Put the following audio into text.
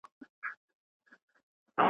علم هیڅکله پای نه لري.